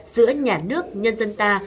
giữa nhà nước nhân dân ta